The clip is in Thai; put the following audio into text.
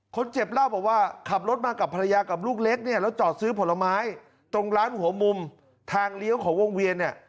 คนเจ็บเล่าบอกว่าขับรถมากับภรรยากับลูกเล็กเนี่ยแล้วจอดซื้อผลไม้ตรงร้านหัวมุมทางเลี้ยวของวงเวียนเนี่ย